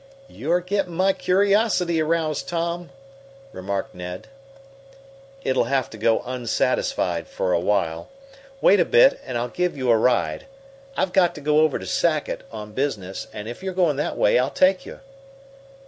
"You're getting my curiosity aroused, Tom," remarked Ned. "It'll have to go unsatisfied for a while. Wait a bit and I'll give you a ride. I've got to go over to Sackett on business, and if you're going that way I'll take you."